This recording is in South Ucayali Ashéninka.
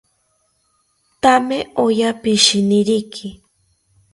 Thame oya pishiniriki